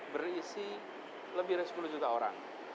berisi lebih dari sepuluh juta orang